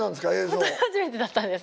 ほんとに初めてだったんです。